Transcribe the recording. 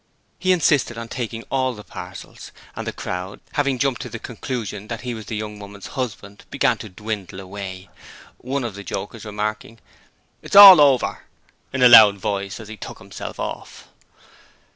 He insisted on taking all the parcels, and the crowd, having jumped to the conclusion that he was the young woman's husband began to dwindle away, one of the jokers remarking 'It's all over!' in a loud voice as he took himself off.